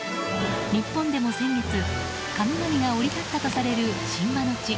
日本でも先月神々が降り立ったとされる神話の地